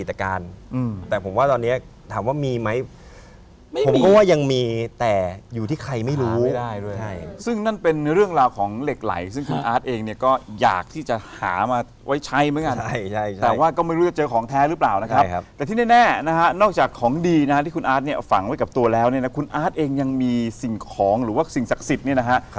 ผมก็บอกอยากฝั่งแค่๕เล่มคิดในใจไปตลอดทาง๕เล่มก็คงเป็น๑แล้วก็เป็น๔๕